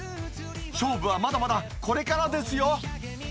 勝負はまだまだこれからですよ。